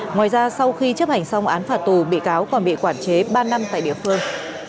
ngoài ra sau khi chấp hành xong án phạt tù bị cáo còn bị quản chế ba năm tại địa phương